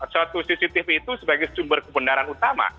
suatu cctv itu sebagai sumber kebenaran utama